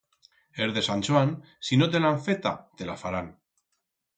Es de Sant Chuan si no te la han feta te la farán.